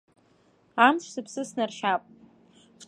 Амш сыԥсы снаршьап.